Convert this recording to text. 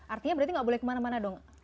artinya berarti nggak boleh kemana mana dong